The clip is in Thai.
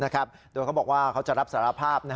คือที่เขาบอกว่าเขาจะรับสารภาพ